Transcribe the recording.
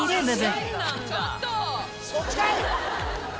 そっちかい！